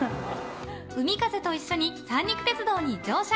海風と一緒に三陸鉄道に乗車。